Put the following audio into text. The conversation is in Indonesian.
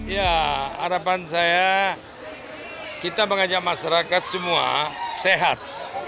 ya harapan saya kita mengajak masyarakat semua sehat